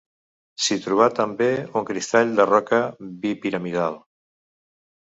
S'hi trobà també un cristall de roca bipiramidal.